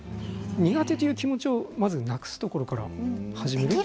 苦手という気持ちをまずなくすところから始めれば。